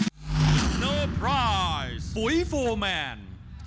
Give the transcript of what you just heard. สนับสนุนโดยปุ๋ยโฟร์แมน